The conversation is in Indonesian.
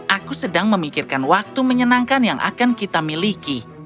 aku sedang memikirkan waktu menyenangkan yang akan kita miliki